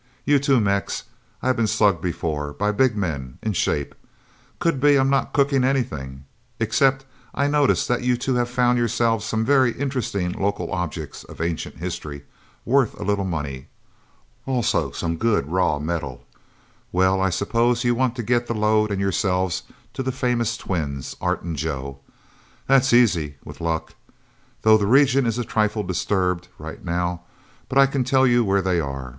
You, too, Mex. I've been slugged before, by big men, in shape...! Could be I'm not cooking anything. Except I notice that you two have found yourselves some very interesting local objects of ancient history, worth a little money. Also, some good, raw metal... Well, I suppose you want to get the load and yourselves to the famous twins, Art and Joe. That's easy with luck. Though the region is a trifle disturbed, right now. But I can tell you where they are.